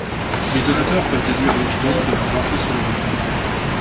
Les donateurs peuvent déduire leurs dons de leurs impôts sur le revenu.